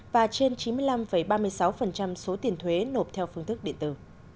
và trên chín mươi năm ba mươi sáu số tiền thuế nộp theo phương thức điện tử